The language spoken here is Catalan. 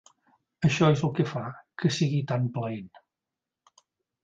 Això és el que fa que sigui tan plaent.